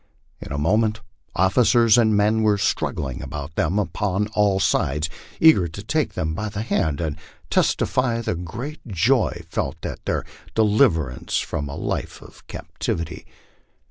In a moment officers and men were strug gling about them upon all sides, eager to take them by the hand, and testify the great joy felt at their deliverance from a life of captivity.